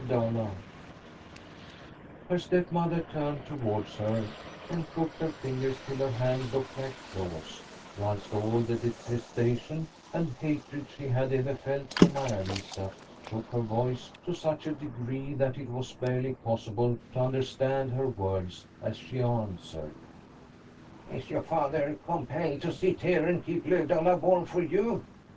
Her stepmother turned towards her and crooked her fingers till her hand looked like claws, whilst all the detestation and hatred she had ever felt for Maia Lisa shook her voice to such a degree that it was barely possible to understand her words as she answered :" Is your father compelled to sit here and keep Lovdala warm for you